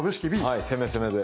はい攻め攻めで！